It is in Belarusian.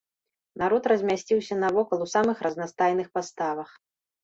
Народ размясціўся навокал у самых разнастайных паставах.